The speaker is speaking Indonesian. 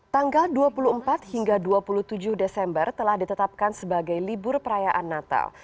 tanggal dua puluh empat hingga dua puluh tujuh desember telah ditetapkan sebagai libur perayaan natal